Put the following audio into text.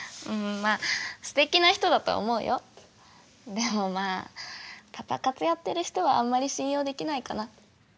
でもまあパパ活やってる人はあんまり信用できないかな。